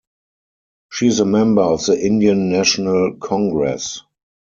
She is a member of the Indian National Congress.